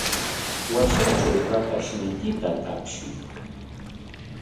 Washatraw ratayniykita tapsiy.